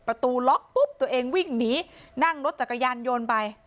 ประตูล็อกปุ๊บตัวเองวิ่งหนีนั่งรถจักรยานยนต์ไป